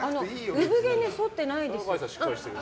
産毛、そってないです。